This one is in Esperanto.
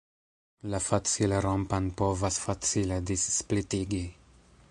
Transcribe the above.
La facilrompan povas facile dissplitigi.